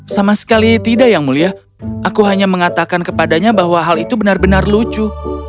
sama sekali tidak yang mulia aku hanya mengatakan kepadanya bahwa hal itu benar benar lucu